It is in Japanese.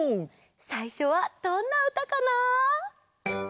さいしょはどんなうたかな？